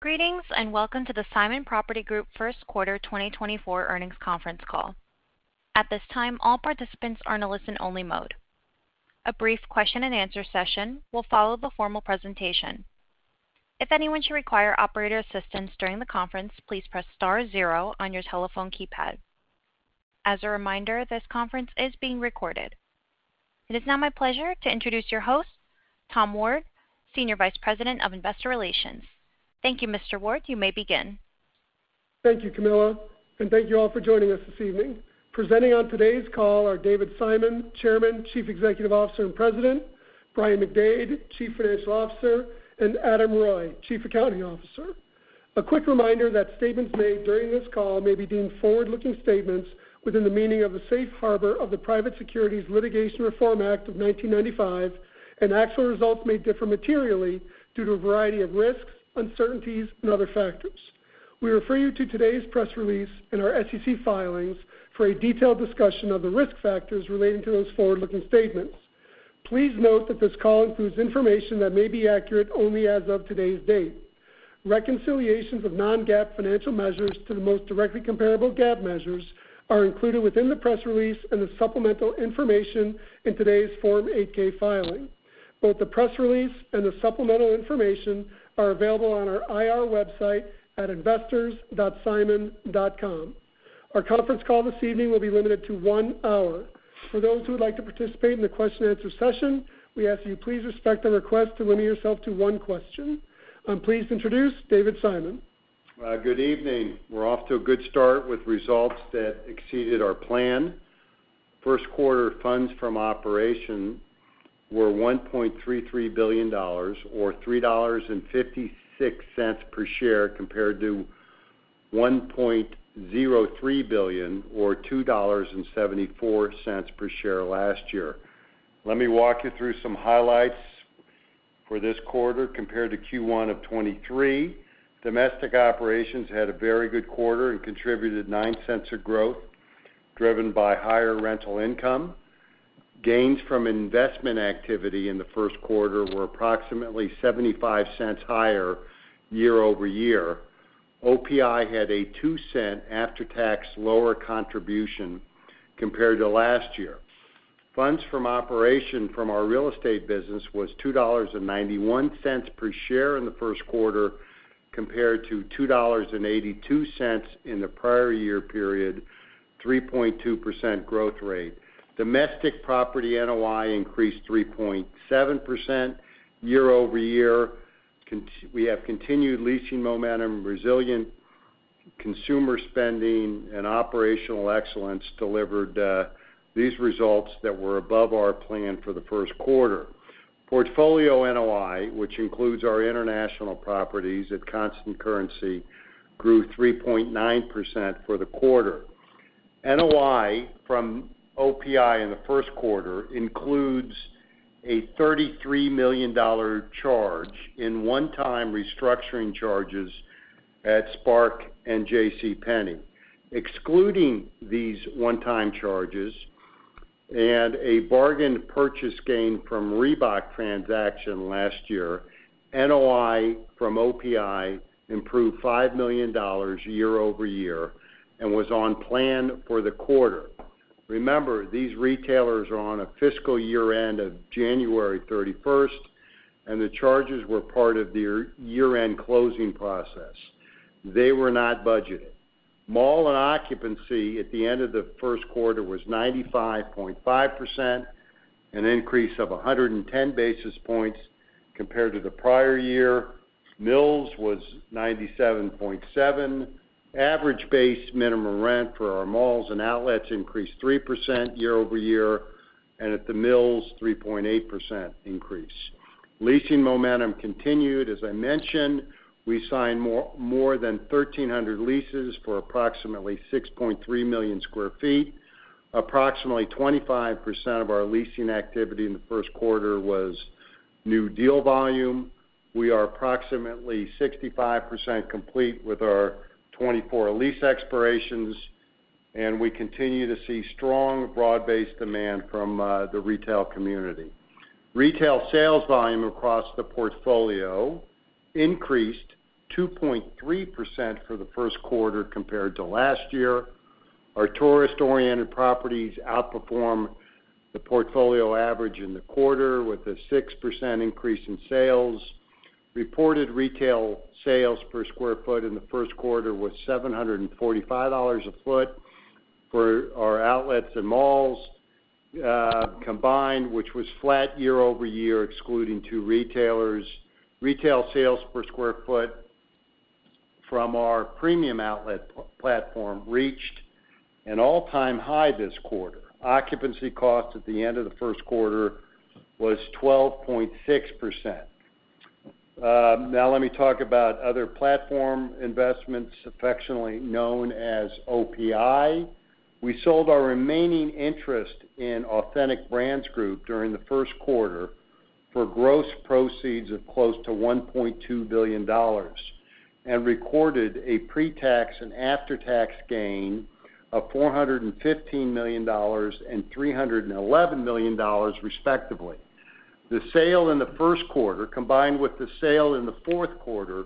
Greetings, and welcome to the Simon Property Group first quarter 2024 earnings conference call. At this time, all participants are in a listen-only mode. A brief question-and-answer session will follow the formal presentation. If anyone should require operator assistance during the conference, please press star zero on your telephone keypad. As a reminder, this conference is being recorded. It is now my pleasure to introduce your host, Tom Ward, Senior Vice President of Investor Relations. Thank you, Mr. Ward. You may begin. Thank you, Camilla, and thank you all for joining us this evening. Presenting on today's call are David Simon, Chairman, Chief Executive Officer, and President, Brian McDade, Chief Financial Officer, and Adam Roy, Chief Accounting Officer. A quick reminder that statements made during this call may be deemed forward-looking statements within the meaning of the Safe Harbor of the Private Securities Litigation Reform Act of 1995, and actual results may differ materially due to a variety of risks, uncertainties, and other factors. We refer you to today's press release and our SEC filings for a detailed discussion of the risk factors relating to those forward-looking statements. Please note that this call includes information that may be accurate only as of today's date. Reconciliations of non-GAAP financial measures to the most directly comparable GAAP measures are included within the press release and the supplemental information in today's Form 8-K filing. Both the press release and the supplemental information are available on our IR website at investors.simon.com. Our conference call this evening will be limited to one hour. For those who would like to participate in the question-and-answer session, we ask you please respect the request to limit yourself to one question. I'm pleased to introduce David Simon. Good evening. We're off to a good start with results that exceeded our plan. First quarter funds from operations were $1.33 billion, or $3.56 per share, compared to $1.03 billion, or $2.74 per share last year. Let me walk you through some highlights for this quarter compared to Q1 of 2023. Domestic operations had a very good quarter and contributed $0.09 of growth, driven by higher rental income. Gains from investment activity in the first quarter were approximately $0.75 higher year-over-year. OPI had a 2-cent after-tax lower contribution compared to last year. Funds from operations from our real estate business was $2.91 per share in the first quarter, compared to $2.82 in the prior year period, 3.2% growth rate. Domestic property NOI increased 3.7% year-over-year. We have continued leasing momentum, resilient consumer spending, and operational excellence delivered these results that were above our plan for the first quarter. Portfolio NOI, which includes our international properties at constant currency, grew 3.9% for the quarter. NOI from OPI in the first quarter includes a $33 million charge in one-time restructuring charges at SPARC and JCPenney. Excluding these one-time charges and a bargain purchase gain from Reebok transaction last year, NOI from OPI improved $5 million year-over-year and was on plan for the quarter. Remember, these retailers are on a fiscal year end of January 31, and the charges were part of their year-end closing process. They were not budgeted. Mall occupancy at the end of the first quarter was 95.5%, an increase of 110 basis points compared to the prior year. Mills was 97.7%. Average base minimum rent for our malls and outlets increased 3% year-over-year, and at the Mills, 3.8% increase. Leasing momentum continued. As I mentioned, we signed more, more than 1,300 leases for approximately 6.3 million sq ft. Approximately 25% of our leasing activity in the first quarter was new deal volume. We are approximately 65% complete with our 24 lease expirations, and we continue to see strong, broad-based demand from the retail community. Retail sales volume across the portfolio increased 2.3% for the first quarter compared to last year. Our tourist-oriented properties outperformed the portfolio average in the quarter with a 6% increase in sales. Reported retail sales per square foot in the first quarter was $745 a foot for our outlets and malls, combined, which was flat year-over-year, excluding two retailers. Retail sales per square foot from our premium outlet platform reached an all-time high this quarter. Occupancy cost at the end of the first quarter was 12.6%. Now let me talk about other platform investments, affectionately known as OPI. We sold our remaining interest in Authentic Brands Group during the first quarter for gross proceeds of close to $1.2 billion and recorded a pre-tax and after-tax gain... of $415 million and $311 million, respectively. The sale in the first quarter, combined with the sale in the fourth quarter,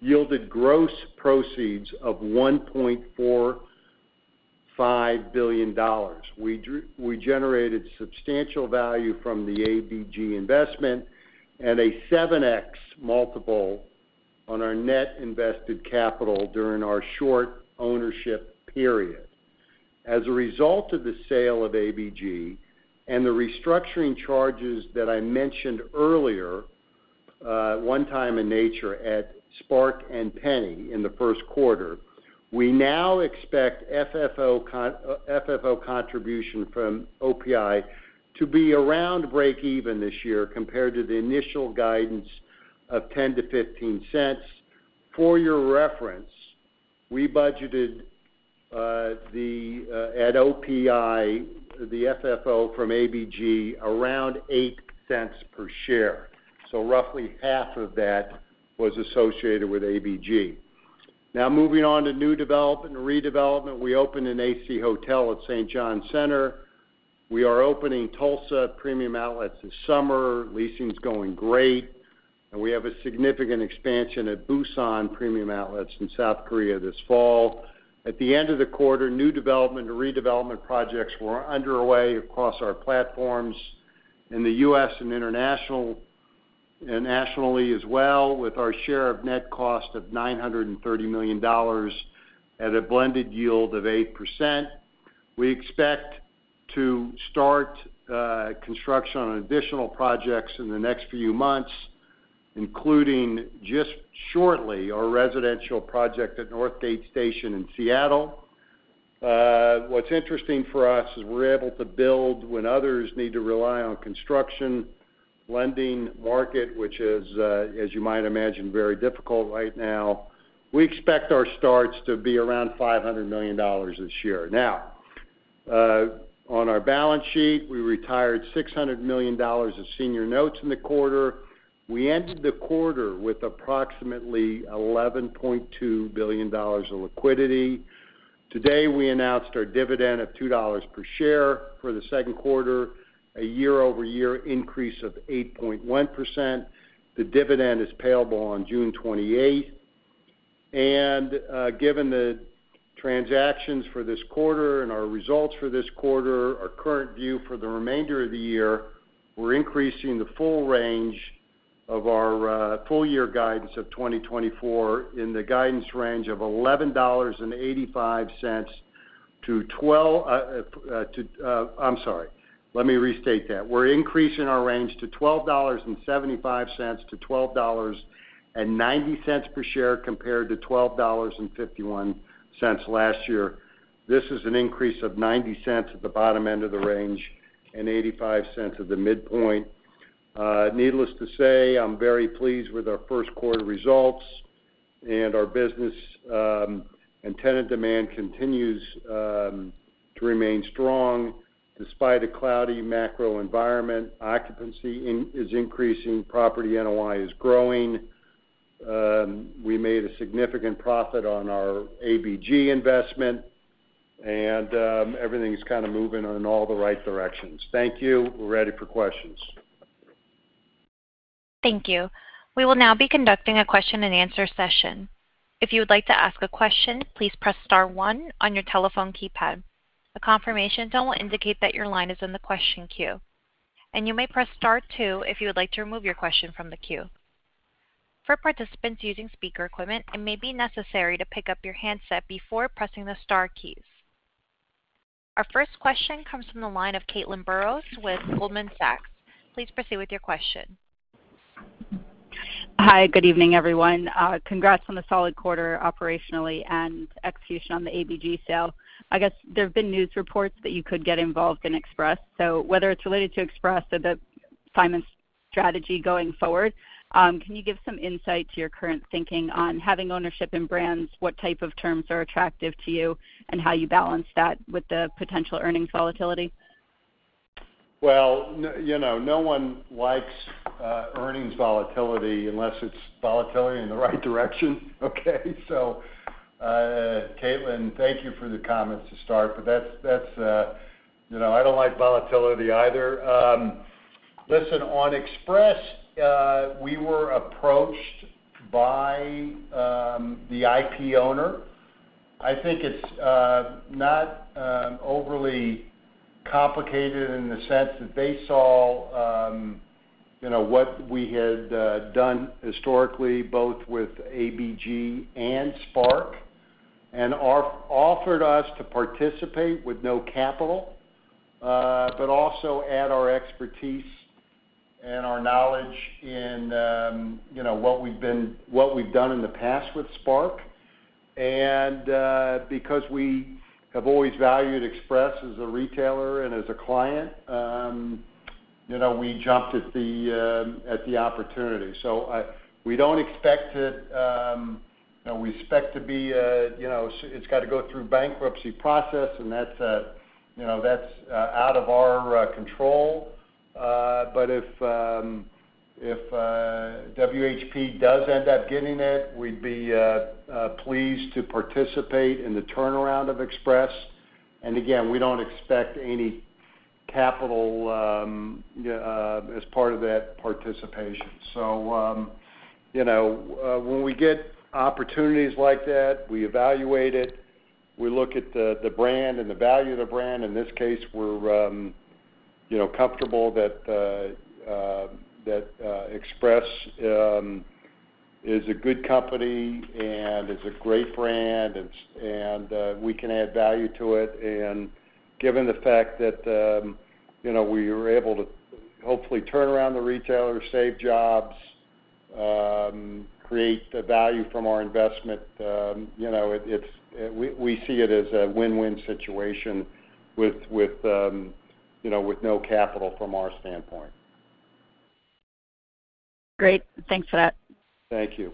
yielded gross proceeds of $1.45 billion. We generated substantial value from the ABG investment and a 7x multiple on our net invested capital during our short ownership period. As a result of the sale of ABG and the restructuring charges that I mentioned earlier, one-time in nature at SPARC and JCPenney in the first quarter, we now expect FFO contribution from OPI to be around breakeven this year compared to the initial guidance of $0.10-$0.15. For your reference, we budgeted at OPI the FFO from ABG around $0.08 per share, so roughly half of that was associated with ABG. Now moving on to new development and redevelopment. We opened an AC Hotel at St. Johns Town Center. We are opening Tulsa Premium Outlets this summer. Leasing's going great, and we have a significant expansion at Busan Premium Outlets in South Korea this fall. At the end of the quarter, new development and redevelopment projects were underway across our platforms in the U.S. and international, and nationally as well, with our share of net cost of $930 million at a blended yield of 8%. We expect to start construction on additional projects in the next few months, including, just shortly, our residential project at Northgate Station in Seattle. What's interesting for us is we're able to build when others need to rely on construction lending market, which is, as you might imagine, very difficult right now. We expect our starts to be around $500 million this year. Now, on our balance sheet, we retired $600 million of senior notes in the quarter. We ended the quarter with approximately $11.2 billion of liquidity. Today, we announced our dividend of $2 per share for the second quarter, a year-over-year increase of 8.1%. The dividend is payable on June 28th. Given the transactions for this quarter and our results for this quarter, our current view for the remainder of the year, we're increasing the full range of our full year guidance of 2024. I'm sorry, let me restate that. We're increasing our range to $12.75-$12.90 per share, compared to $12.51 last year. This is an increase of $0.90 at the bottom end of the range and $0.85 at the midpoint. Needless to say, I'm very pleased with our first quarter results, and our business, and tenant demand continues to remain strong. Despite a cloudy macro environment, occupancy is increasing, property NOI is growing, we made a significant profit on our ABG investment, and everything's kind of moving in all the right directions. Thank you. We're ready for questions. Thank you. We will now be conducting a question-and-answer session. If you would like to ask a question, please press star one on your telephone keypad. A confirmation tone will indicate that your line is in the question queue, and you may press star two if you would like to remove your question from the queue. For participants using speaker equipment, it may be necessary to pick up your handset before pressing the star keys. Our first question comes from the line of Caitlin Burrows with Goldman Sachs. Please proceed with your question. Hi, good evening, everyone. Congrats on the solid quarter operationally and execution on the ABG sale. I guess there have been news reports that you could get involved in Express. So whether it's related to Express or the Simon's strategy going forward, can you give some insight to your current thinking on having ownership in brands? What type of terms are attractive to you and how you balance that with the potential earnings volatility? Well, you know, no one likes earnings volatility unless it's volatility in the right direction, okay? So, Caitlin, thank you for the comments to start, but that's, you know, I don't like volatility either. Listen, on Express, we were approached by the IP owner. I think it's not overly complicated in the sense that they saw what we had done historically, both with ABG and SPARC, and offered us to participate with no capital, but also add our expertise and our knowledge in, you know, what we've done in the past with SPARC. And, because we have always valued Express as a retailer and as a client, you know, we jumped at the opportunity. So I... We don't expect it, you know, we expect to be, you know, it's got to go through bankruptcy process, and that's, you know, that's out of our control. But if WHP does end up getting it, we'd be pleased to participate in the turnaround of Express. And again, we don't expect any capital as part of that participation. So, you know, when we get opportunities like that, we evaluate it, we look at the brand and the value of the brand. In this case, we're, you know, comfortable that Express is a good company and is a great brand, and we can add value to it. Given the fact that, you know, we were able to hopefully turn around the retailer, save jobs, create the value from our investment, you know, it, it's—we, we see it as a win-win situation with, with, you know, with no capital from our standpoint. Great. Thanks for that. Thank you.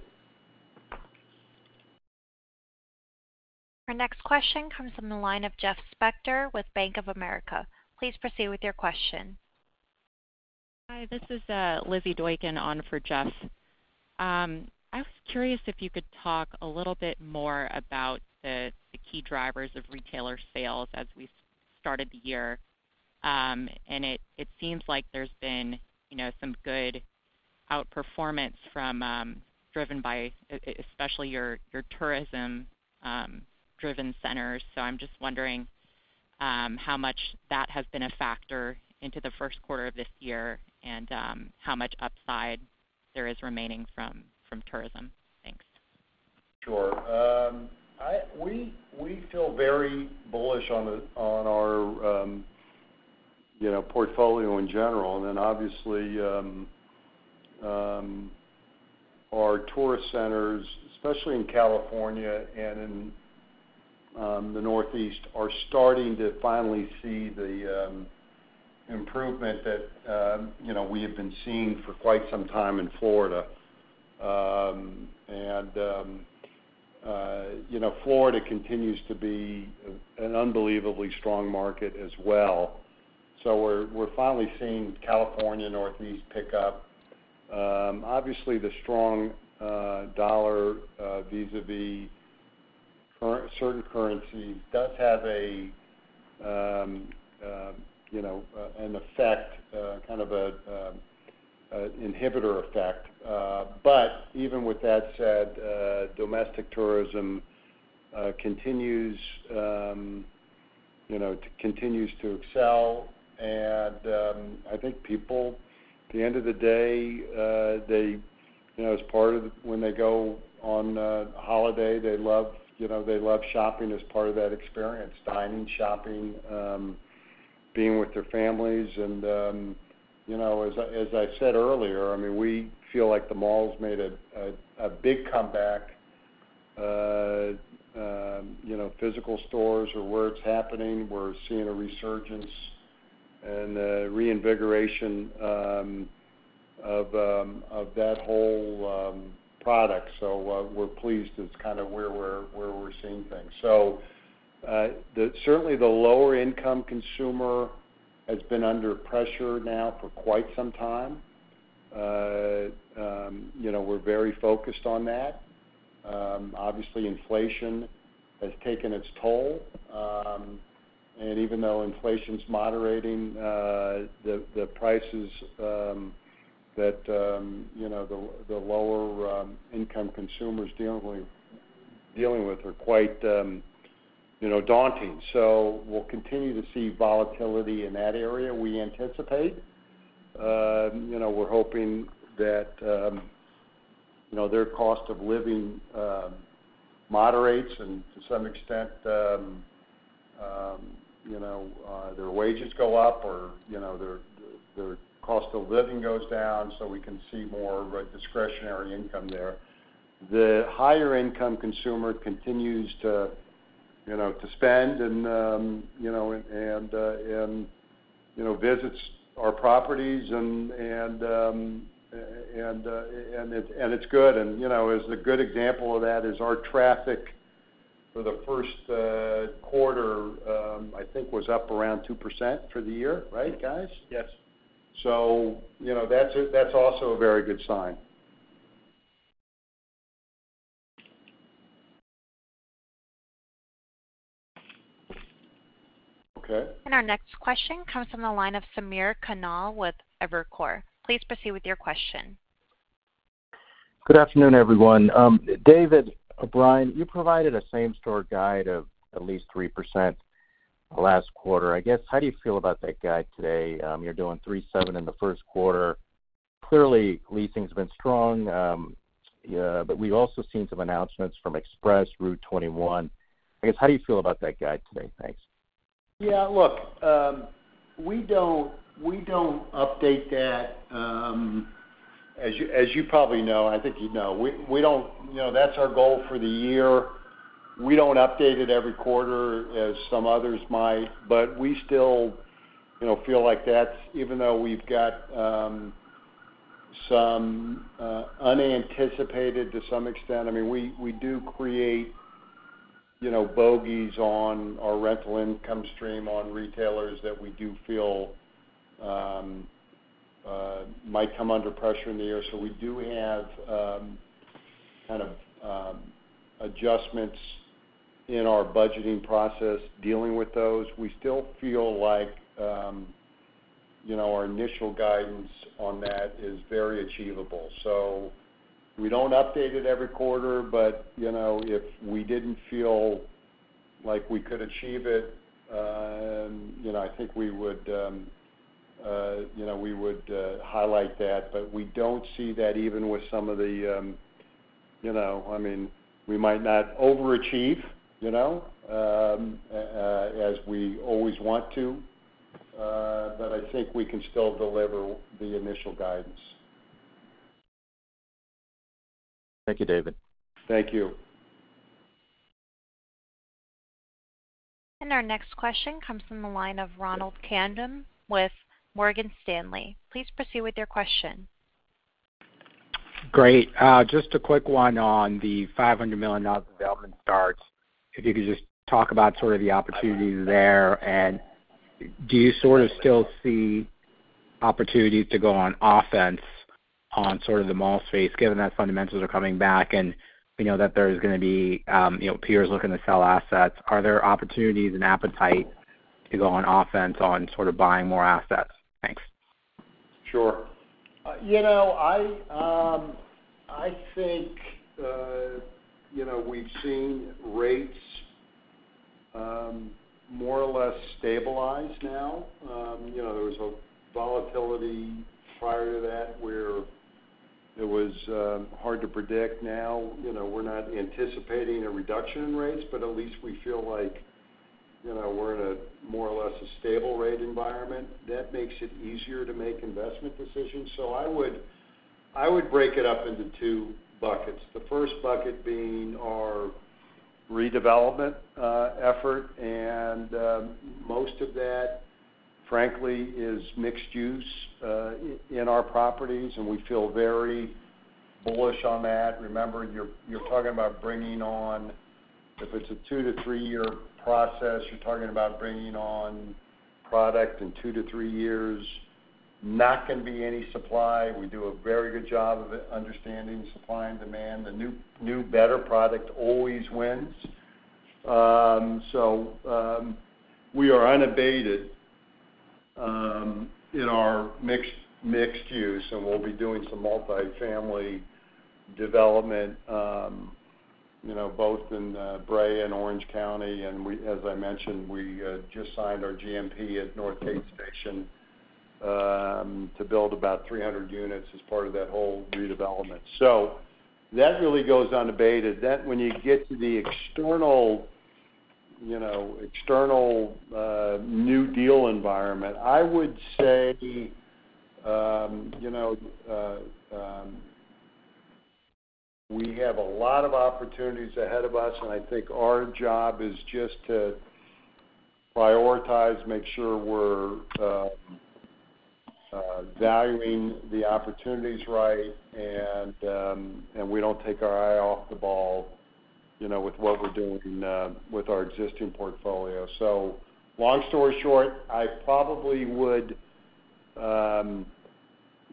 Our next question comes from the line of Jeffrey Spector with Bank of America. Please proceed with your question. Hi, this is Lizzy Doykan on for Jeff. I was curious if you could talk a little bit more about the key drivers of retailer sales as we started the year. And it seems like there's been, you know, some good outperformance driven by especially your tourism driven centers. So I'm just wondering how much that has been a factor into the first quarter of this year, and how much upside there is remaining from tourism? Thanks. Sure. We feel very bullish on the, on our, you know, portfolio in general. And then, obviously, our tourist centers, especially in California and in, the Northeast, are starting to finally see the, improvement that, you know, we have been seeing for quite some time in Florida. And, you know, Florida continues to be an unbelievably strong market as well. So we're finally seeing California, Northeast pick up. Obviously, the strong dollar vis-a-vis certain currencies does have a, you know, an effect, kind of a, an inhibitor effect. But even with that said, domestic tourism continues, you know, continues to excel. I think people, at the end of the day, they, you know, as part of when they go on a holiday, they love, you know, they love shopping as part of that experience, dining, shopping, being with their families. You know, as I said earlier, I mean, we feel like the malls made a big comeback. You know, physical stores are where it's happening. We're seeing a resurgence and a reinvigoration of that whole product. We're pleased. It's kind of where we're seeing things. Certainly, the lower income consumer has been under pressure now for quite some time. You know, we're very focused on that. Obviously, inflation has taken its toll. Even though inflation's moderating, the prices that you know the lower income consumers dealing with are quite you know daunting. So we'll continue to see volatility in that area, we anticipate. You know, we're hoping that you know their cost of living moderates, and to some extent you know their wages go up or you know their cost of living goes down, so we can see more discretionary income there. The higher income consumer continues to you know to spend and you know and visits our properties, and it's good. You know, as a good example of that is our traffic for the first quarter I think was up around 2% for the year. Right, guys? Yes. So, you know, that's also a very good sign. Okay. Our next question comes from the line of Samir Khanal with Evercore. Please proceed with your question. Good afternoon, everyone. David, Brian, you provided a same store guide of at least 3% last quarter. I guess, how do you feel about that guide today? You're doing 3.7% in the first quarter. Clearly, leasing's been strong, but we've also seen some announcements from Express, rue21. I guess, how do you feel about that guide today? Thanks. Yeah, look, we don't update that, as you probably know, I think you know. We don't. You know, that's our goal for the year. We don't update it every quarter, as some others might, but we still, you know, feel like that's even though we've got some unanticipated to some extent, I mean, we do, you know, bogeys on our rental income stream on retailers that we do feel might come under pressure in the year. So we do have kind of adjustments in our budgeting process dealing with those. We still feel like, you know, our initial guidance on that is very achievable. So we don't update it every quarter, but, you know, if we didn't feel like we could achieve it, you know, I think we would, you know, we would highlight that. But we don't see that even with some of the, you know, I mean, we might not overachieve, you know, as we always want to, but I think we can still deliver the initial guidance. Thank you, David. Thank you. Our next question comes from the line of Ronald Kamdem with Morgan Stanley. Please proceed with your question. Great. Just a quick one on the $500 million development starts. If you could just talk about sort of the opportunities there, and do you sort of still see opportunities to go on offense on sort of the mall space, given that fundamentals are coming back and we know that there's gonna be, you know, peers looking to sell assets? Are there opportunities and appetite to go on offense on sort of buying more assets? Thanks. Sure. You know, I think, you know, we've seen rates more or less stabilize now. You know, there was a volatility prior to that, where it was hard to predict. Now, you know, we're not anticipating a reduction in rates, but at least we feel like, you know, we're in a more or less a stable rate environment. That makes it easier to make investment decisions. So I would break it up into two buckets. The first bucket being our redevelopment effort, and most of that, frankly, is mixed use in our properties, and we feel very bullish on that. Remember, you're talking about bringing on... If it's a 2-3-year process, you're talking about bringing on product in 2-3 years, not gonna be any supply. We do a very good job of understanding supply and demand. The new, better product always wins. So, we are unabated in our mixed use, and we'll be doing some multifamily development, you know, both in Brea and Orange County, and as I mentioned, we just signed our GMP at Northgate Station to build about 300 units as part of that whole redevelopment. So that really goes unabated. That, when you get to the external, you know, external new deal environment, I would say, you know, we have a lot of opportunities ahead of us, and I think our job is just to prioritize, make sure we're valuing the opportunities right, and we don't take our eye off the ball, you know, with what we're doing with our existing portfolio. Long story short, I probably would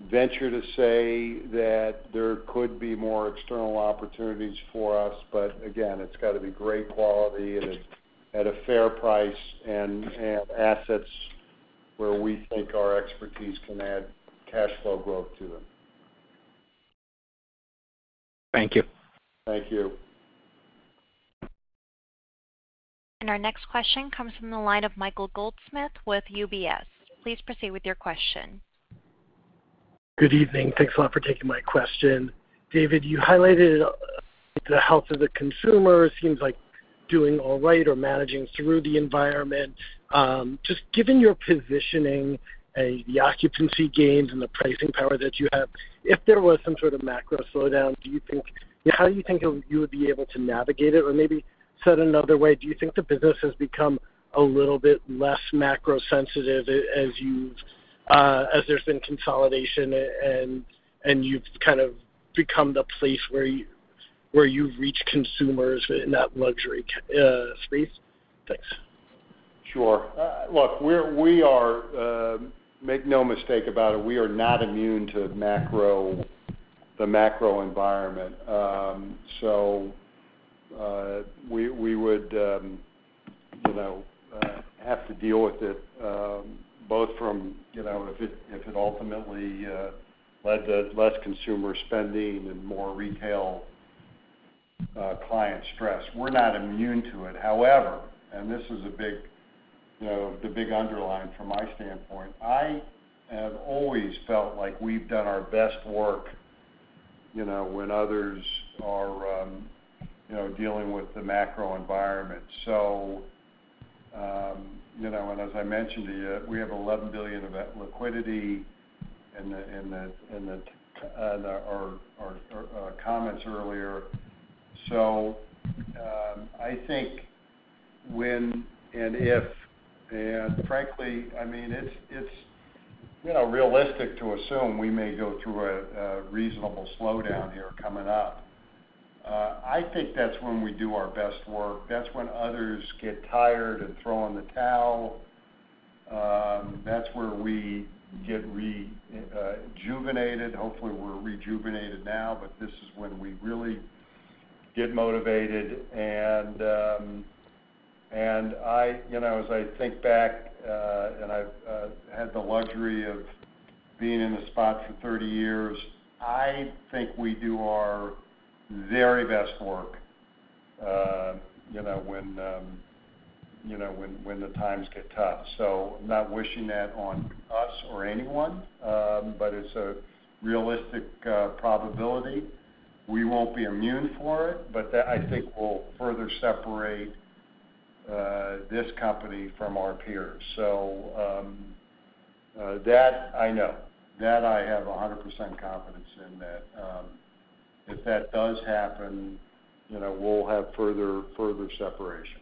venture to say that there could be more external opportunities for us, but again, it's got to be great quality and at a fair price and assets where we think our expertise can add cash flow growth to them. Thank you. Thank you. Our next question comes from the line of Michael Goldsmith with UBS. Please proceed with your question. Good evening. Thanks a lot for taking my question. David, you highlighted the health of the consumer. Seems like doing all right or managing through the environment. Just given your positioning, the occupancy gains and the pricing power that you have, if there was some sort of macro slowdown, how do you think you would be able to navigate it? Or maybe said another way, do you think the business has become a little bit less macro sensitive as you've, as there's been consolidation and you've kind of become the place where you've reached consumers in that luxury space? Thanks. Sure. Look, we are, make no mistake about it, we are not immune to the macro environment. So, we would, you know, have to deal with it, both from, you know, if it ultimately led to less consumer spending and more retail client stress. We're not immune to it. However, and this is a big, you know, the big underline from my standpoint, I have always felt like we've done our best work, you know, when others are, you know, dealing with the macro environment. So, you know, and as I mentioned to you, we have $11 billion of that liquidity in our comments earlier. So, I think... when and if, and frankly, I mean, you know, realistic to assume we may go through a reasonable slowdown here coming up. I think that's when we do our best work. That's when others get tired and throw in the towel. That's where we get rejuvenated. Hopefully, we're rejuvenated now, but this is when we really get motivated, and I, you know, as I think back, and I've had the luxury of being in this spot for 30 years, I think we do our very best work, you know, when, you know, when the times get tough. So I'm not wishing that on us or anyone, but it's a realistic probability. We won't be immune for it, but that, I think, will further separate this company from our peers. So, that I know. That I have 100% confidence in that. If that does happen, you know, we'll have further, further separation.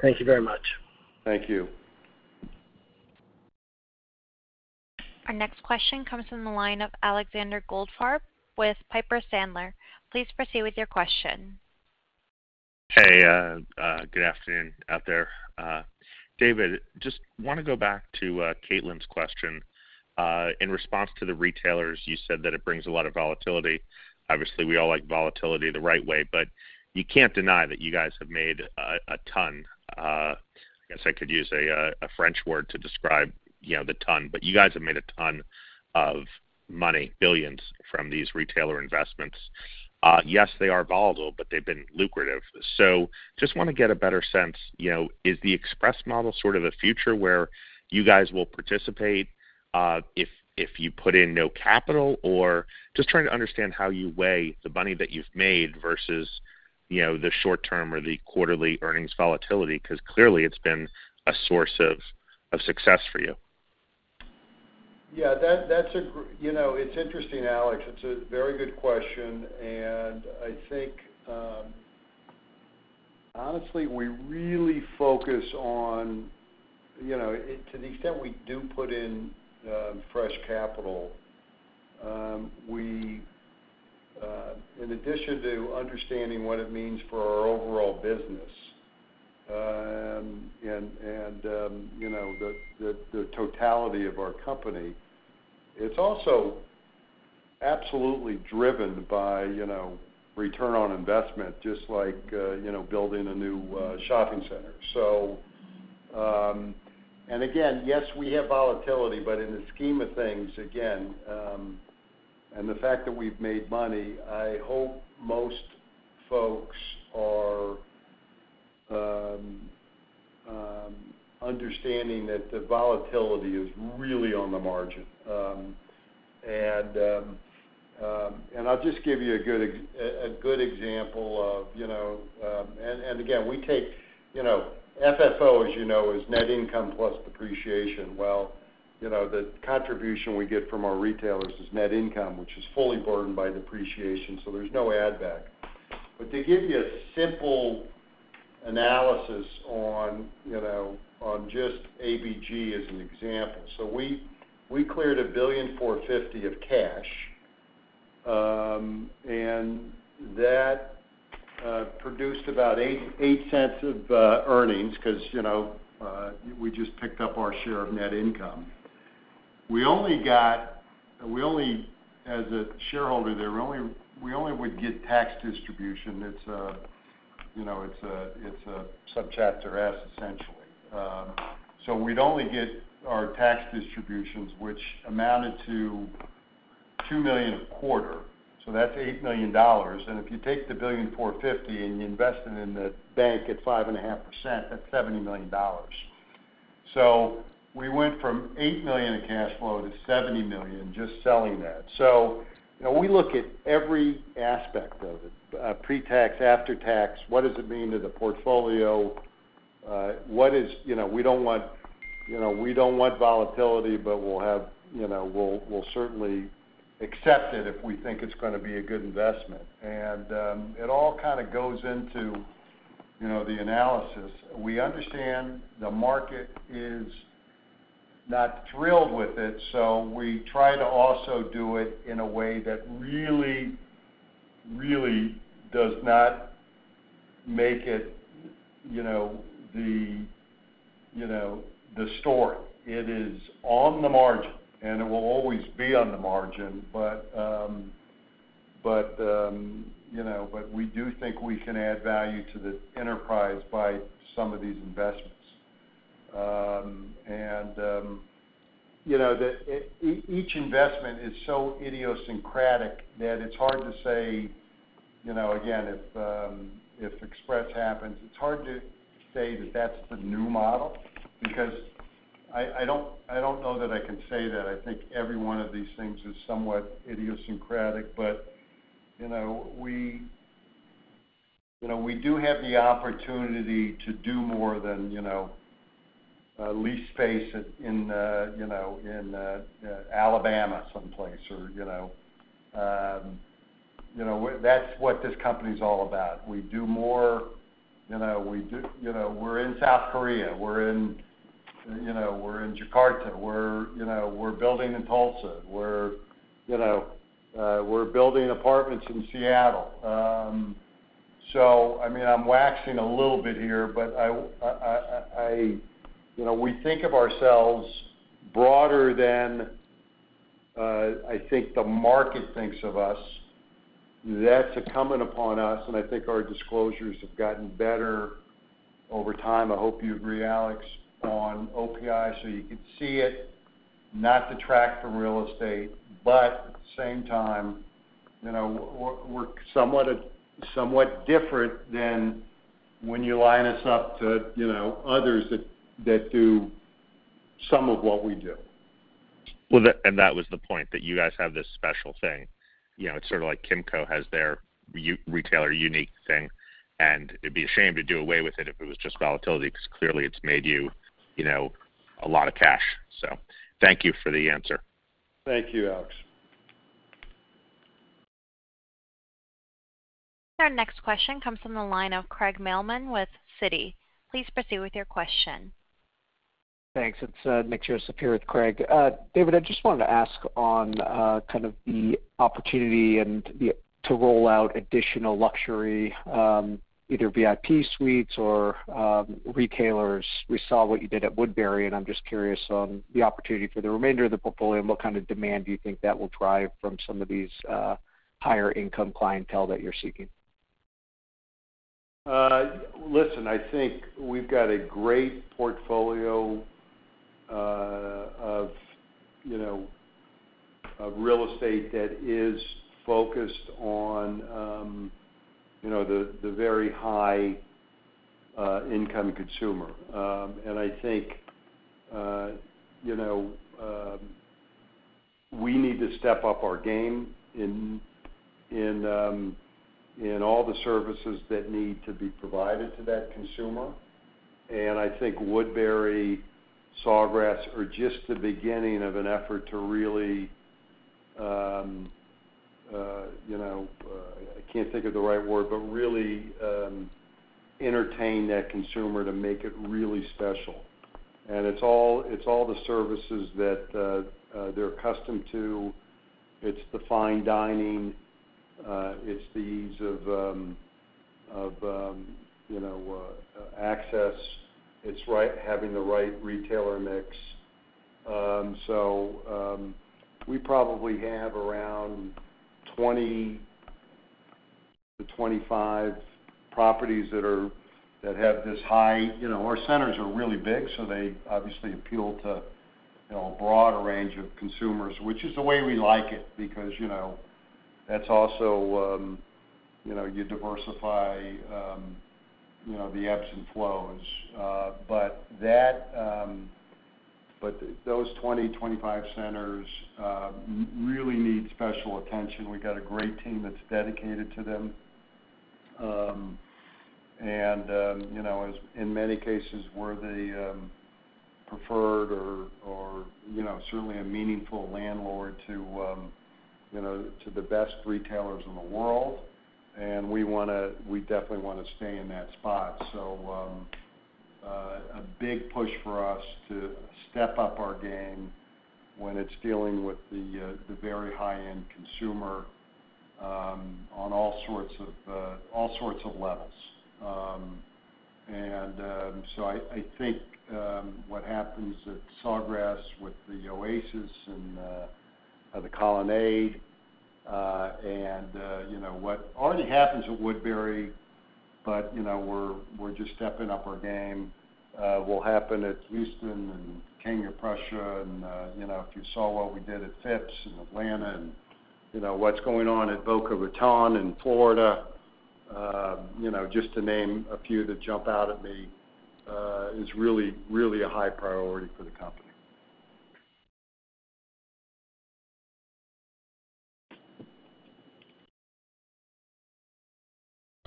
Thank you very much. Thank you. Our next question comes from the line of Alexander Goldfarb with Piper Sandler. Please proceed with your question. Hey, good afternoon out there. David, just wanna go back to Caitlin's question. In response to the retailers, you said that it brings a lot of volatility. Obviously, we all like volatility the right way, but you can't deny that you guys have made a ton of money, $ billions, from these retailer investments. Yes, they are volatile, but they've been lucrative. So just wanna get a better sense, you know, is the Express model sort of a future where you guys will participate, if you put in no capital? Or just trying to understand how you weigh the money that you've made versus, you know, the short term or the quarterly earnings volatility, 'cause clearly, it's been a source of success for you. Yeah, that's a—you know, it's interesting, Alex. It's a very good question, and I think, honestly, we really focus on, you know, to the extent we do put in fresh capital, we, in addition to understanding what it means for our overall business, and, you know, the totality of our company, it's also absolutely driven by, you know, return on investment, just like, you know, building a new shopping center. So... And again, yes, we have volatility, but in the scheme of things, again, and the fact that we've made money, I hope most folks are understanding that the volatility is really on the margin. And I'll just give you a good—a good example of, you know... Again, we take, you know, FFO, as you know, is net income plus depreciation. Well, you know, the contribution we get from our retailers is net income, which is fully burdened by depreciation, so there's no add back. But to give you a simple analysis on, you know, on just ABG as an example. So we cleared $1.45 billion of cash, and that produced about $0.08 of earnings 'cause, you know, we just picked up our share of net income. We only got. We only, as a shareholder there, we only would get tax distribution. It's, you know, it's a Subchapter S, essentially. So we'd only get our tax distributions, which amounted to $2 million a quarter, so that's $8 million. If you take the $1.45 billion, and you invest it in the bank at 5.5%, that's $70 million. So we went from $8 million in cash flow to $70 million just selling that. So, you know, we look at every aspect of it, pre-tax, after tax. What does it mean to the portfolio? What is... You know, we don't want, you know, we don't want volatility, but we'll have, you know, we'll, we'll certainly accept it if we think it's gonna be a good investment. And, it all kind of goes into, you know, the analysis. We understand the market is not thrilled with it, so we try to also do it in a way that really, really does not make it, you know, the, you know, the story. It is on the margin, and it will always be on the margin, but, but, you know, but we do think we can add value to the enterprise by some of these investments. And, you know, the each investment is so idiosyncratic that it's hard to say, you know, again, if, if Express happens, it's hard to say that that's the new model because I, I don't, I don't know that I can say that. I think every one of these things is somewhat idiosyncratic, but, you know, we, you know, we do have the opportunity to do more than, you know, lease space in, you know, in, Alabama someplace, or, you know, you know, that's what this company's all about. We do more, you know. You know, we're in South Korea, we're in, you know, we're in Jakarta, we're, you know, we're building in Tulsa, we're, you know, we're building apartments in Seattle. So, I mean, I'm waxing a little bit here, but I, you know, we think of ourselves broader than I think the market thinks of us. That's incumbent upon us, and I think our disclosures have gotten better over time. I hope you agree, Alex, on OPI, so you could see it, not to detract from real estate, but at the same time, you know, we're somewhat different than when you line us up to, you know, others that do some of what we do. Well, that, and that was the point, that you guys have this special thing. You know, it's sort of like Kimco has their unique retailer thing, and it'd be a shame to do away with it if it was just volatility, because clearly, it's made you, you know, a lot of cash. So thank you for the answer. Thank you, Alex. Our next question comes from the line of Craig Mailman with Citi. Please proceed with your question. Thanks. It's next year, superior with Craig. David, I just wanted to ask on kind of the opportunity and the to roll out additional luxury either VIP suites or retailers. We saw what you did at Woodbury, and I'm just curious on the opportunity for the remainder of the portfolio and what kind of demand do you think that will drive from some of these higher income clientele that you're seeking? Listen, I think we've got a great portfolio, you know, of real estate that is focused on, you know, the very high income consumer. And I think, you know, we need to step up our game in all the services that need to be provided to that consumer. And I think Woodbury, Sawgrass, are just the beginning of an effort to really, you know, I can't think of the right word, but really entertain that consumer to make it really special. And it's all the services that they're accustomed to. It's the fine dining, it's the ease of, you know, access. It's right, having the right retailer mix. So, we probably have around 20-25 properties that are, that have this high... You know, our centers are really big, so they obviously appeal to, you know, a broader range of consumers, which is the way we like it, because, you know, that's also, you know, you diversify the ebbs and flows. But that, but those 20-25 centers really need special attention. We've got a great team that's dedicated to them. And, you know, as in many cases, we're the preferred or, or, you know, certainly a meaningful landlord to, you know, to the best retailers in the world, and we wanna, we definitely wanna stay in that spot. So, a big push for us to step up our game when it's dealing with the the very high-end consumer on all sorts of all sorts of levels. So I think what happens at Sawgrass with the Oasis and the Colonnade, and you know what already happens at Woodbury, but you know we're just stepping up our game will happen at Houston and King of Prussia. And you know if you saw what we did at Phipps and Atlanta, and you know what's going on at Boca Raton in Florida, you know just to name a few that jump out at me is really really a high priority for the company.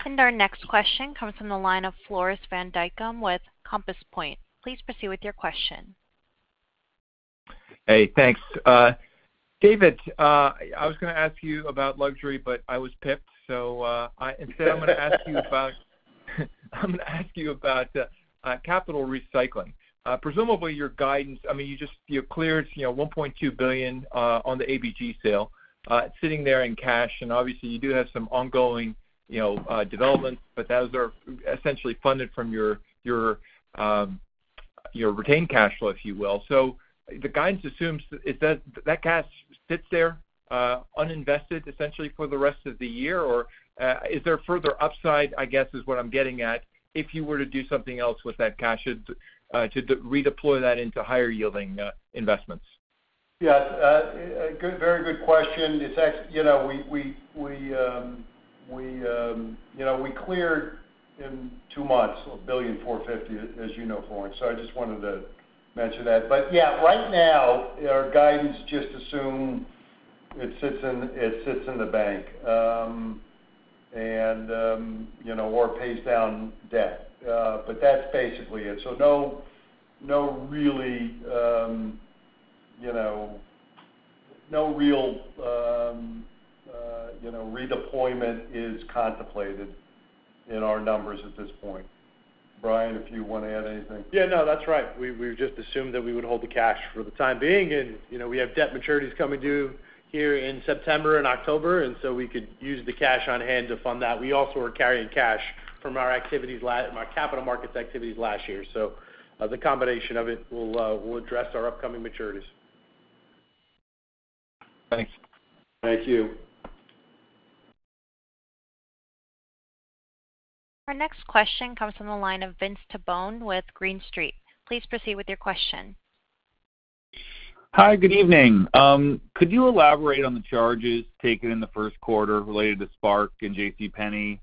Our next question comes from the line of Floris van Dijkum with Compass Point. Please proceed with your question. Hey, thanks. David, I was gonna ask you about luxury, but I was pipped. So, instead, I'm gonna ask you about capital recycling. Presumably, your guidance, I mean, you just cleared, you know, $1.2 billion on the ABG sale, sitting there in cash, and obviously, you do have some ongoing, you know, development, but those are essentially funded from your retained cash flow, if you will. So the guidance assumes is that that cash sits there uninvested essentially for the rest of the year, or is there further upside, I guess, is what I'm getting at, if you were to do something else with that cash to redeploy that into higher yielding investments? Yes, good, very good question. It's you know, we you know, we cleared in two months, $1.05 billion, as you know, Floris, so I just wanted to mention that. But yeah, right now, our guidance just assume it sits in the bank and you know, or pays down debt. But that's basically it. So no really, you know, no real you know, redeployment is contemplated in our numbers at this point. Brian, if you want to add anything? Yeah, no, that's right. We just assumed that we would hold the cash for the time being, and, you know, we have debt maturities coming due here in September and October, and so we could use the cash on hand to fund that. We also are carrying cash from our capital markets activities last year. So, the combination of it will address our upcoming maturities. Thanks. Thank you. Our next question comes from the line of Vince Tibone with Green Street. Please proceed with your question. Hi, good evening. Could you elaborate on the charges taken in the first quarter related to SPARC and J.C. Penney?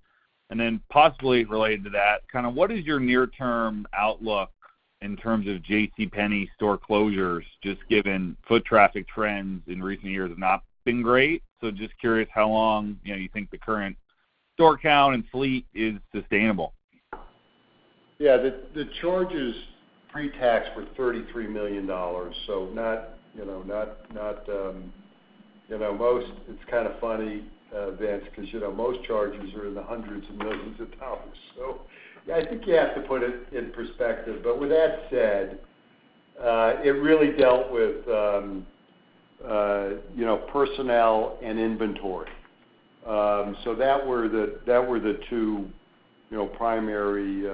And then possibly related to that, kind of what is your near-term outlook in terms of J.C. Penney store closures, just given foot traffic trends in recent years have not been great. So just curious how long, you know, you think the current store count and fleet is sustainable? Yeah, the charges pre-tax were $33 million, so not, you know, most... It's kind of funny, Vince, because, you know, most charges are in the hundreds of millions of dollars. So I think you have to put it in perspective. But with that said, it really dealt with, you know, personnel and inventory. So that were the, that were the two, you know, primary,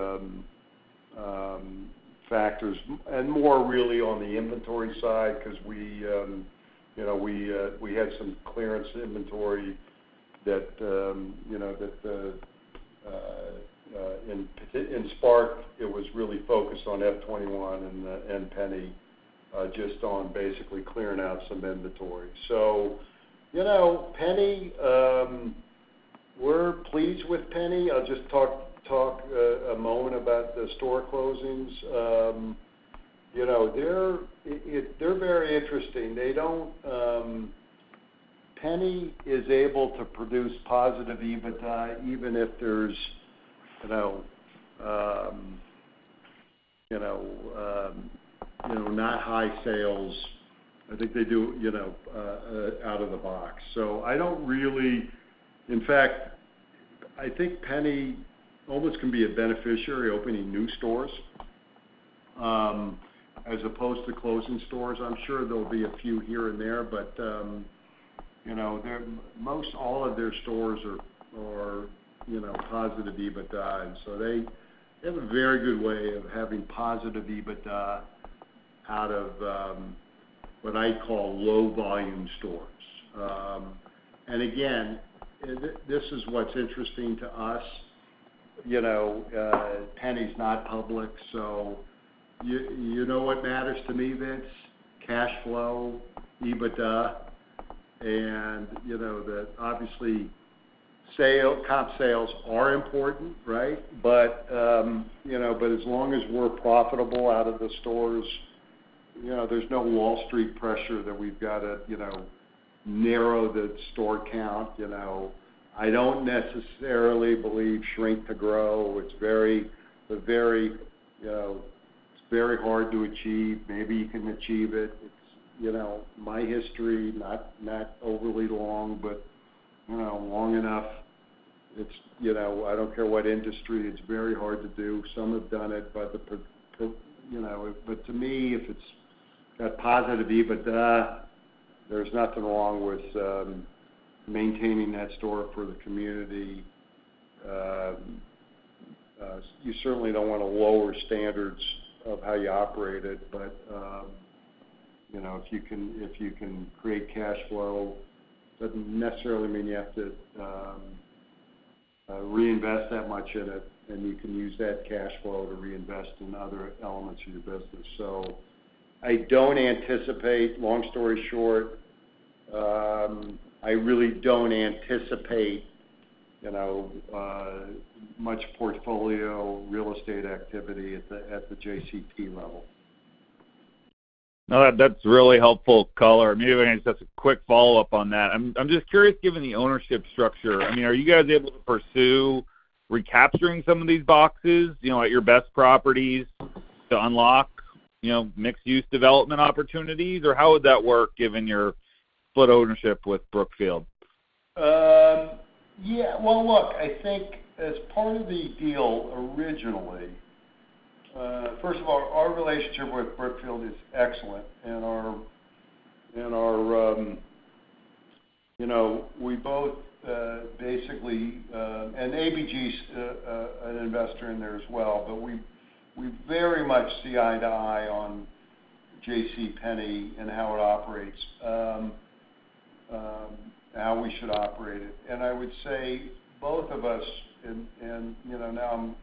factors, and more really on the inventory side, because we, you know, we had some clearance inventory that, you know, that, in SPARC, it was really focused on F21 and the, and Penney, just on basically clearing out some inventory. So, you know, Penney, we're pleased with Penney. I'll just talk a moment about the store closings. You know, they're very interesting. They don't... Penney is able to produce positive EBITDA, even if there's, you know, not high sales. I think they do, you know, out of the box. So I don't really... In fact, I think Penney almost can be a beneficiary opening new stores, as opposed to closing stores. I'm sure there'll be a few here and there, but, you know, most all of their stores are, you know, positive EBITDA, and so they have a very good way of having positive EBITDA out of, what I call low volume stores. And again, this is what's interesting to us, you know, Penney's not public, so you, you know what matters to me, Vince? Cash flow, EBITDA, and, you know, the obviously, sale, comp sales are important, right? But you know, but as long as we're profitable out of the stores, you know, there's no Wall Street pressure that we've got to, you know, narrow the store count. You know, I don't necessarily believe shrink to grow. It's very hard to achieve. Maybe you can achieve it. It's, you know, my history, not overly long, but, you know, long enough. It's, you know, I don't care what industry, it's very hard to do. Some have done it, but you know, but to me, if it's got positive EBITDA, there's nothing wrong with maintaining that store for the community. You certainly don't want to lower standards of how you operate it, but, you know, if you can create cash flow, doesn't necessarily mean you have to reinvest that much in it, and you can use that cash flow to reinvest in other elements of your business. So, long story short, I really don't anticipate, you know, much portfolio real estate activity at the JCP level. No, that's really helpful color. Maybe I just have a quick follow-up on that. I'm just curious, given the ownership structure, I mean, are you guys able to pursue recapturing some of these boxes, you know, at your best properties to unlock, you know, mixed-use development opportunities? Or how would that work, given your split ownership with Brookfield? Yeah, well, look, I think as part of the deal, originally, first of all, our relationship with Brookfield is excellent, and, you know, we both basically, and ABG's an investor in there as well, but we very much see eye to eye on JCPenney and how it operates, how we should operate it. And I would say both of us, you know, now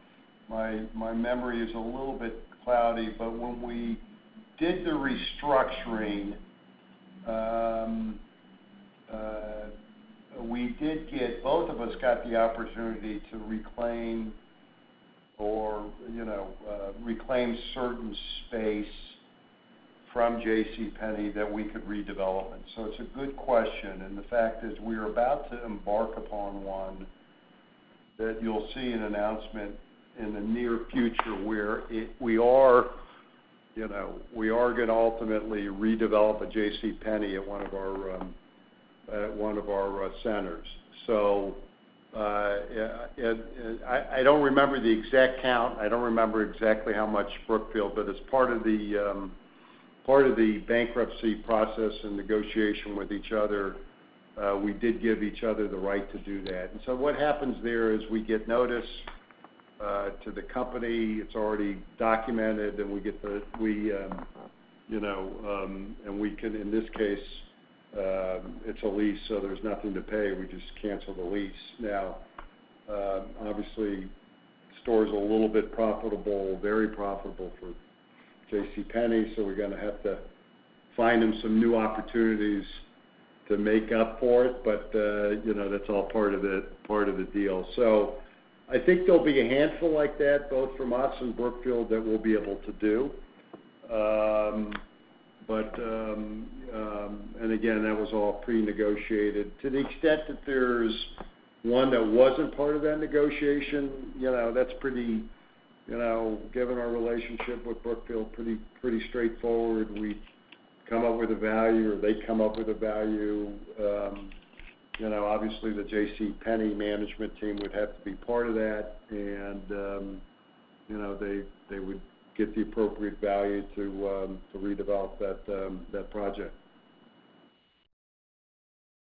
my memory is a little bit cloudy, but when we did the restructuring, we did get, both of us got the opportunity to reclaim or, you know, reclaim certain space from JCPenney that we could redevelop. So it's a good question, and the fact is, we're about to embark upon one that you'll see an announcement in the near future, where it—we are, you know, we are gonna ultimately redevelop a JCPenney at one of our centers. So, yeah, and I don't remember the exact count. I don't remember exactly how much Brookfield, but as part of the bankruptcy process and negotiation with each other, we did give each other the right to do that. And so what happens there is we get notice to the company. It's already documented, then we get the. We, you know, and we can, in this case, it's a lease, so there's nothing to pay. We just cancel the lease. Now, obviously, store's a little bit profitable, very profitable for JCPenney, so we're gonna have to find them some new opportunities to make up for it, but, you know, that's all part of the, part of the deal. So I think there'll be a handful like that, both from us and Brookfield, that we'll be able to do. But, and again, that was all prenegotiated. To the extent that there's one that wasn't part of that negotiation, you know, that's pretty, you know, given our relationship with Brookfield, pretty, pretty straightforward. We come up with a value, or they come up with a value. You know, obviously, the JCPenney management team would have to be part of that, and, you know, they, they would get the appropriate value to, to redevelop that, that project.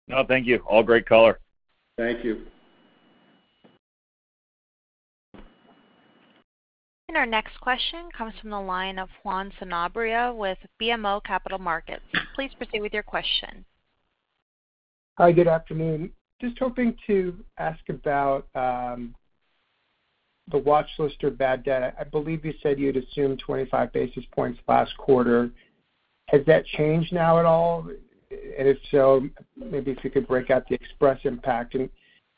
No, thank you. All great color. Thank you. Our next question comes from the line of Juan Sanabria with BMO Capital Markets. Please proceed with your question. Hi, good afternoon. Just hoping to ask about the watchlist or bad debt. I believe you said you'd assumed 25 basis points last quarter. Has that changed now at all? And if so, maybe if you could break out the Express impact. And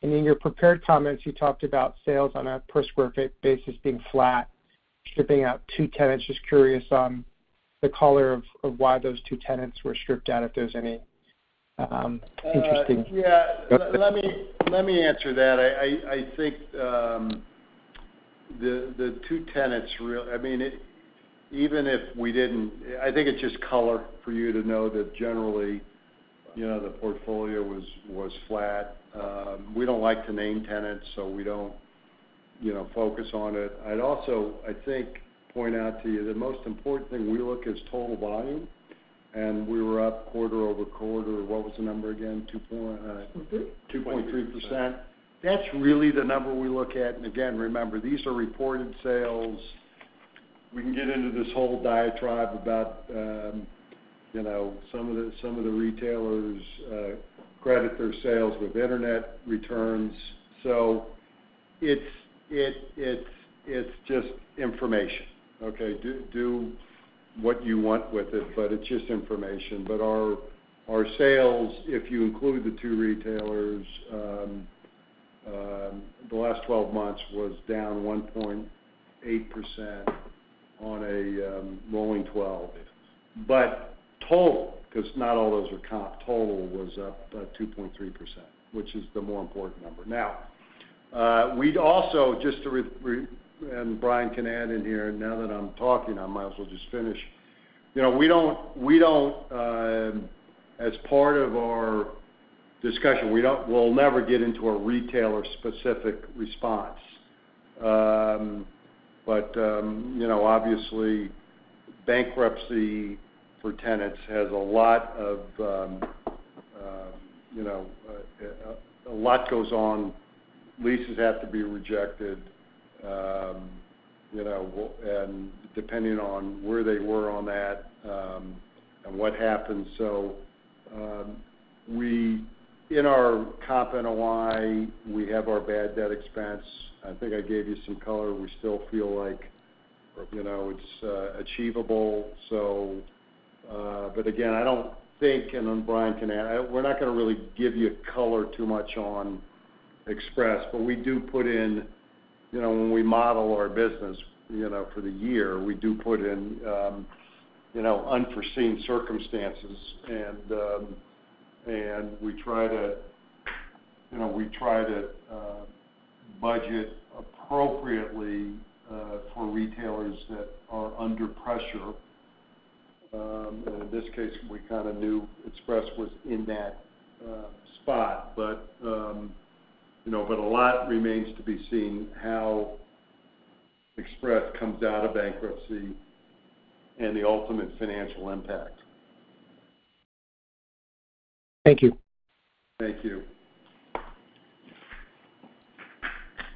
in your prepared comments, you talked about sales on a per sq ft basis being flat, stripping out two tenants. Just curious on the color of why those two tenants were stripped out, if there's any interesting- Yeah, let me, let me answer that. I think the two tenants—I mean, it. Even if we didn't, I think it's just color for you to know that generally, you know, the portfolio was flat. We don't like to name tenants, so we don't, you know, focus on it. I'd also, I think, point out to you, the most important thing we look is total volume, and we were up quarter-over-quarter. What was the number again? 2 point- Two, three. 2.3%. That's really the number we look at. And again, remember, these are reported sales. We can get into this whole diatribe about, you know, some of the, some of the retailers, credit their sales with internet returns. So it's just information, okay? Do what you want with it, but it's just information. But our sales, if you include the two retailers, the last 12 months, was down 1.8% on a rolling 12. But total, 'cause not all those are comp, total was up 2.3%, which is the more important number. Now, we'd also, just to, and Brian can add in here, now that I'm talking, I might as well just finish. You know, we don't as part of our discussion, we don't—we'll never get into a retailer-specific response. But, you know, obviously, bankruptcy for tenants has a lot of, you know, a lot goes on. Leases have to be rejected, you know, and depending on where they were on that, and what happened. So, we, in our comp NOI, we have our bad debt expense. I think I gave you some color. We still feel like, you know, it's achievable, so... But again, I don't think, and then Brian can add, we're not gonna really give you color too much on Express, but we do put in... You know, when we model our business, you know, for the year, we do put in, you know, unforeseen circumstances, and we try to, you know, budget appropriately, for retailers that are under pressure. And in this case, we kinda knew Express was in that spot. But, you know, a lot remains to be seen how Express comes out of bankruptcy and the ultimate financial impact. Thank you. Thank you.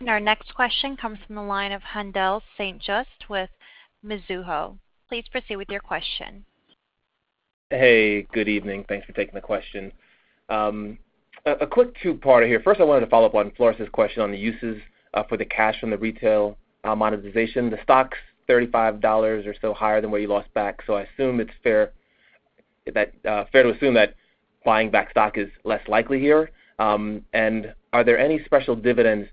Our next question comes from the line of Haendel St. Juste with Mizuho. Please proceed with your question. Hey, good evening. Thanks for taking the question. A quick two-parter here. First, I wanted to follow up on Floris's question on the uses for the cash from the retail monetization. The stock's $35 are still higher than what you lost back, so I assume it's fair-... Is that fair to assume that buying back stock is less likely here? And are there any special dividends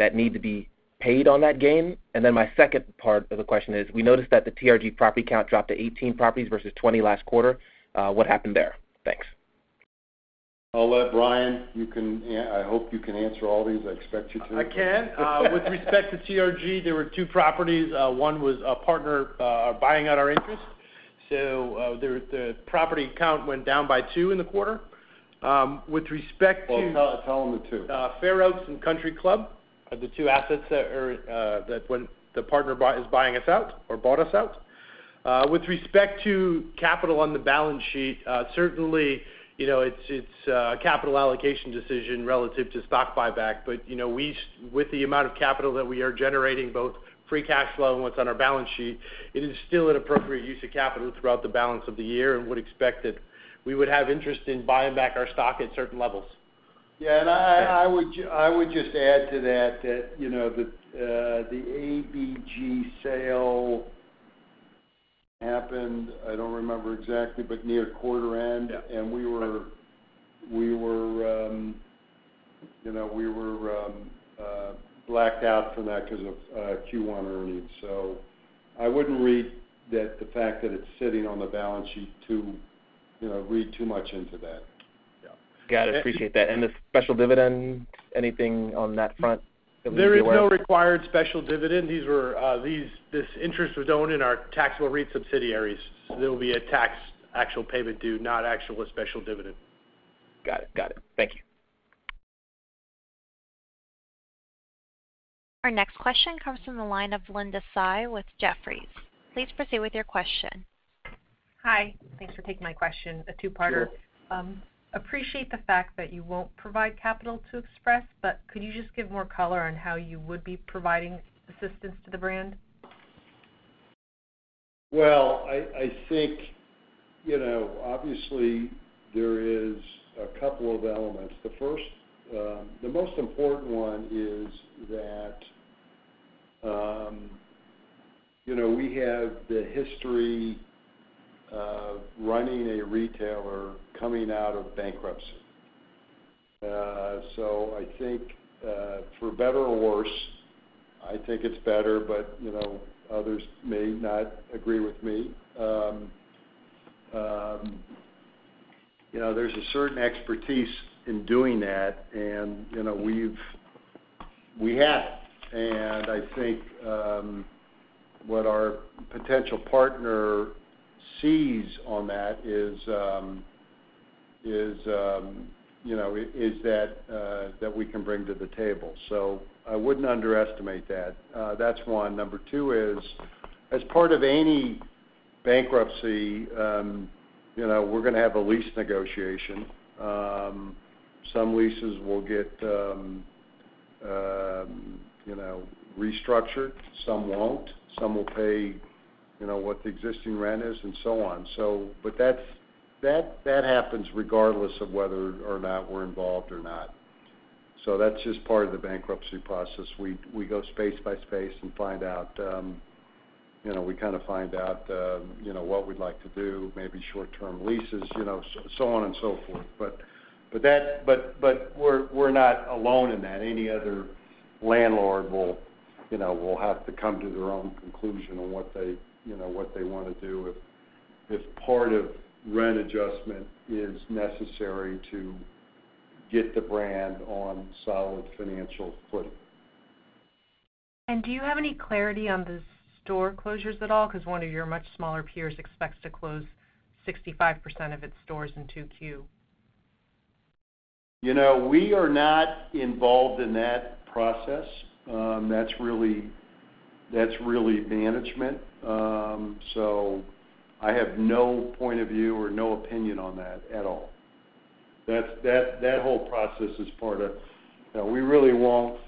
that need to be paid on that gain? And then my second part of the question is, we noticed that the TRG property count dropped to 18 properties versus 20 last quarter. What happened there? Thanks. I'll let Brian. You can. I hope you can answer all these. I expect you to. I can. With respect to TRG, there were two properties. One was a partner buying out our interest. So, the property count went down by two in the quarter. With respect to- Well, tell them the two. Fair Oaks and Country Club are the two assets that are, that when the partner is buying us out or bought us out. With respect to capital on the balance sheet, certainly, you know, it's a capital allocation decision relative to stock buyback. But, you know, with the amount of capital that we are generating, both free cash flow and what's on our balance sheet, it is still an appropriate use of capital throughout the balance of the year, and would expect that we would have interest in buying back our stock at certain levels. Yeah, and I would just add to that, you know, the ABG sale happened. I don't remember exactly, but near quarter end. Yeah. And we were, you know, blacked out from that because of Q1 earnings. So I wouldn't read that the fact that it's sitting on the balance sheet to, you know, read too much into that. Yeah. Got it. Appreciate that. The special dividend, anything on that front that we should be aware of? There is no required special dividend. This interest was owned in our taxable REIT subsidiaries, so there will be a tax payment actually due, not actually a special dividend. Got it. Got it. Thank you. Our next question comes from the line of Linda Tsai with Jefferies. Please proceed with your question. Hi. Thanks for taking my question. A two-parter. Sure. Appreciate the fact that you won't provide capital to Express, but could you just give more color on how you would be providing assistance to the brand? Well, I think, you know, obviously, there is a couple of elements. The first, the most important one is that, you know, we have the history of running a retailer coming out of bankruptcy. So I think, for better or worse, I think it's better, but, you know, others may not agree with me. You know, there's a certain expertise in doing that, and, you know, we have it. And I think, what our potential partner sees on that is, you know, is that, that we can bring to the table. So I wouldn't underestimate that. That's one. Number two is, as part of any bankruptcy, you know, we're gonna have a lease negotiation. Some leases will get, you know, restructured, some won't. Some will pay, you know, what the existing rent is, and so on. So but that's that, that happens regardless of whether or not we're involved or not. So that's just part of the bankruptcy process. We go space by space and find out, you know, we kind of find out, you know, what we'd like to do, maybe short-term leases, you know, so on and so forth. But that. But we're not alone in that. Any other landlord will, you know, will have to come to their own conclusion on what they, you know, what they want to do if part of rent adjustment is necessary to get the brand on solid financial footing. Do you have any clarity on the store closures at all? Because one of your much smaller peers expects to close 65% of its stores in 2Q. You know, we are not involved in that process. That's really, that's really management. So I have no point of view or no opinion on that at all. That whole process is part of... We really won't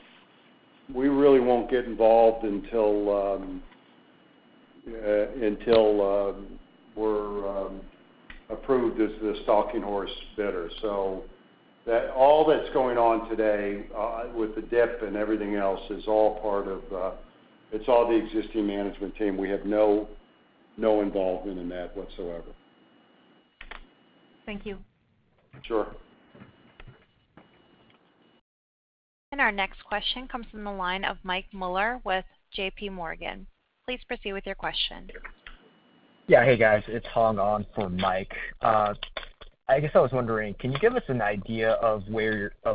get involved until we're approved as the stalking horse bidder. So that all that's going on today, with the DIP and everything else, is all part of, it's all the existing management team. We have no involvement in that whatsoever. Thank you. Sure. Our next question comes from the line of Mike Mueller with J.P. Morgan. Please proceed with your question. Yeah. Hey, guys. It's Hong on for Mike. I guess I was wondering, can you give us an idea of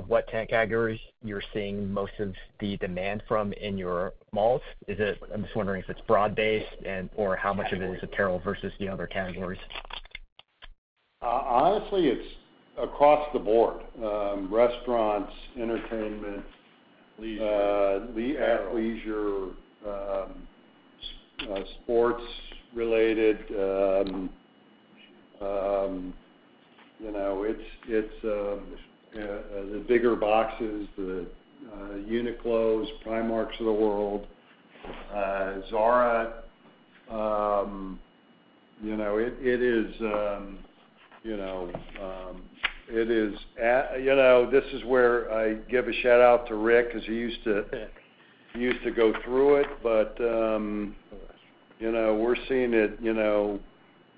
what tenant categories you're seeing most of the demand from in your malls? I'm just wondering if it's broad-based and/or how much of it is apparel versus the other categories. Honestly, it's across the board. Restaurants, entertainment- Leisure, sports related, you know, it's the bigger boxes, the Uniqlo's, Primark's of the world, Zara. You know, it is, you know, it is, you know, this is where I give a shout-out to Rick because he used to- Yeah... used to go through it, but, you know, we're seeing it. You know,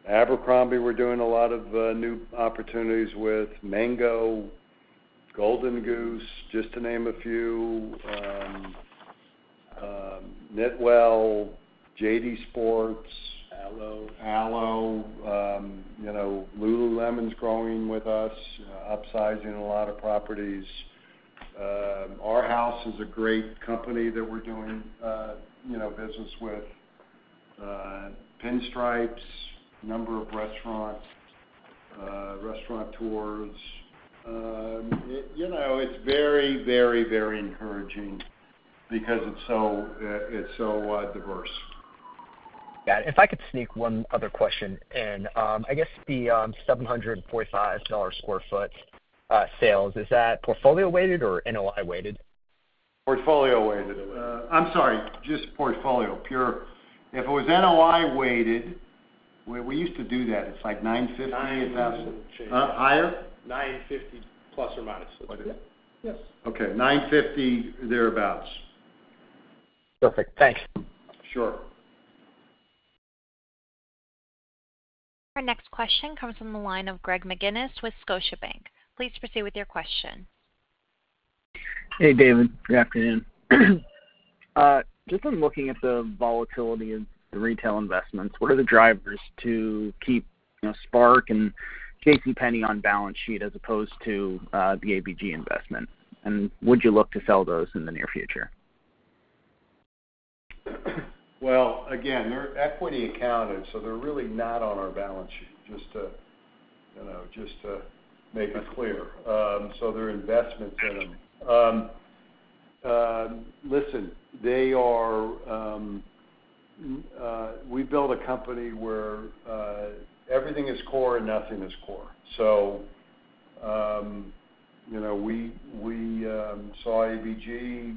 Abercrombie, we're doing a lot of new opportunities with Mango, Golden Goose, just to name a few, KnitWell, JD Sports- Alo, you know, Lululemon's growing with us, upsizing a lot of properties. Arhaus is a great company that we're doing, you know, business with, Pinstripes, a number of restaurants, restaurateurs. It, you know, it's very, very, very encouraging because it's so, it's so, diverse. Got it. If I could sneak one other question in. I guess the $745 sq ft sales, is that portfolio weighted or NOI weighted? Portfolio weighted. I'm sorry, just portfolio, pure. If it was NOI weighted, we, we used to do that. It's like 950- Nine... Huh? Higher? 9:50 ±. Okay. Yes. Okay, 9:50, thereabouts. Perfect. Thanks. Sure. Our next question comes from the line of Greg McGinniss with Scotiabank. Please proceed with your question. Hey, David. Good afternoon. Just been looking at the volatility in the retail investments. What are the drivers to keep, you know, SPARC and J.C. Penney on balance sheet as opposed to the ABG investment? And would you look to sell those in the near future? Well, again, they're equity accounted, so they're really not on our balance sheet, just to, you know, just to make it clear. So they're investments in them. Listen, they are, we built a company where everything is core and nothing is core. So, you know, we saw ABG,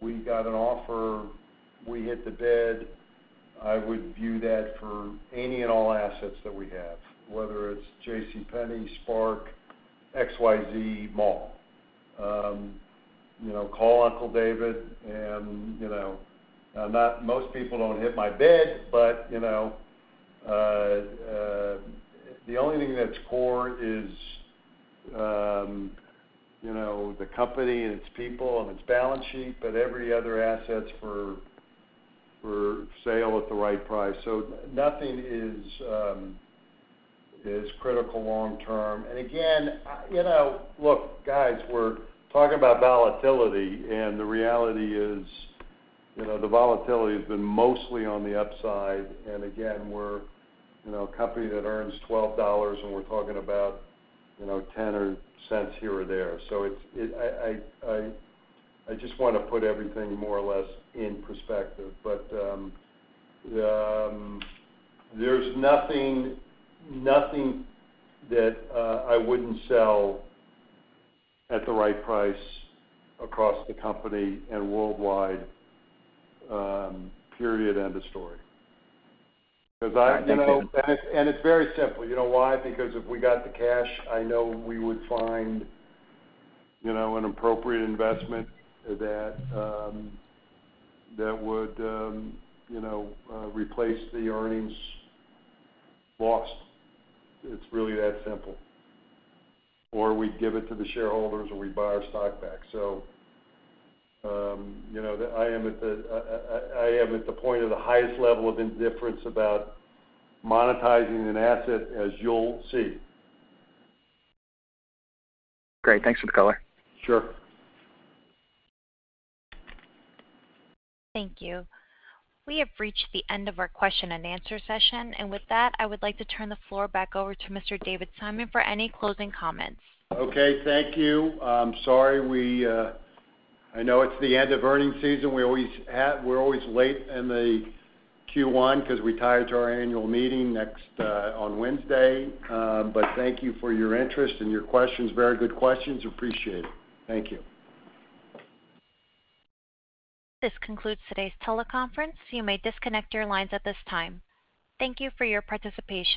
we got an offer, we hit the bid. I would view that for any and all assets that we have, whether it's J.C. Penney, SPARC, XYZ Mall. You know, call Uncle David and, you know, not most people don't hit my bid, but, you know, the only thing that's core is, you know, the company and its people and its balance sheet, but every other asset's for sale at the right price. So nothing is critical long term. And again, you know, look, guys, we're talking about volatility, and the reality is, you know, the volatility has been mostly on the upside. And again, we're, you know, a company that earns $12, and we're talking about, you know, $0.10 here or there. So it's. I just want to put everything more or less in perspective. But, there's nothing, nothing that I wouldn't sell at the right price across the company and worldwide, period, end of story. Because I, you know, and it's, and it's very simple. You know why? Because if we got the cash, I know we would find, you know, an appropriate investment that that would, you know, replace the earnings lost. It's really that simple. Or we give it to the shareholders, or we buy our stock back. You know, I am at the point of the highest level of indifference about monetizing an asset, as you'll see. Great, thanks for the color. Sure. Thank you. We have reached the end of our question and answer session, and with that, I would like to turn the floor back over to Mr. David Simon for any closing comments. Okay, thank you. I'm sorry, we, I know it's the end of earnings season. We always have—we're always late in the Q1 because we tie it to our annual meeting next on Wednesday. But thank you for your interest and your questions. Very good questions. Appreciate it. Thank you. This concludes today's teleconference. You may disconnect your lines at this time. Thank you for your participation.